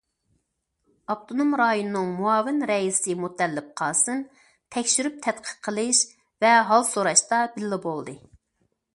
ئاپتونوم رايوننىڭ مۇئاۋىن رەئىسى مۇتەللىپ قاسىم تەكشۈرۈپ تەتقىق قىلىش ۋە ھال سوراشتا بىللە بولدى.